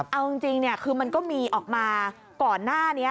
เอาจริงคือมันก็มีออกมาก่อนหน้านี้